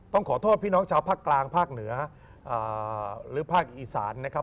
ต้องขอโทษพี่น้องชาวภาคกลางภาคเหนือหรือภาคอีสานนะครับ